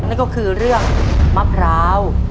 นั่นก็คือเรื่องมะพร้าว